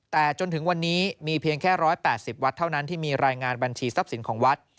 แต่จนถึงวันนี้มีเพียงแค่๑๘๐วัดเท่านั้นที่มีรายงานบัญชีทรัพย์สินของวัด